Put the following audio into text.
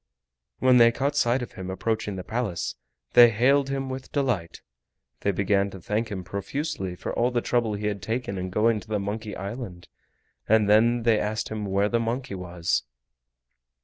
When they caught sight of him approaching the Palace, they hailed him with delight. They began to thank him profusely for all the trouble he had taken in going to Monkey Island, and then they asked him where the monkey was.